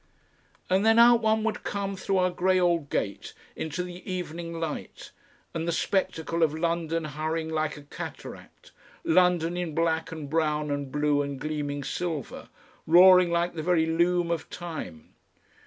And then out one would come through our grey old gate into the evening light and the spectacle of London hurrying like a cataract, London in black and brown and blue and gleaming silver, roaring like the very loom of Time.